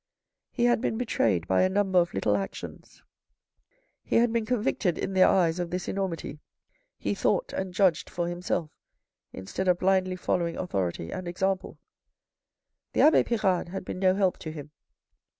He had been betrayed by a number of little actions. He had been convicted in their eyes of this enormity, he thought and judged for himself instead of blindly following authority and example. The abbe Pirard had been no help to him.